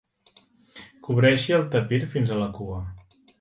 Cobreixi el tapir fins a la cua.